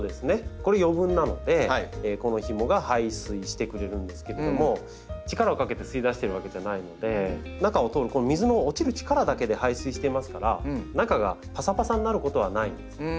これ余分なのでこのひもが排水してくれるんですけれども力をかけて吸い出してるわけじゃないので中を通るこの水の落ちる力だけで排水していますから中がパサパサになることはないんです。